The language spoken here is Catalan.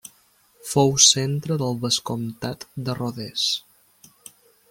Fou centre del vescomtat de Rodés.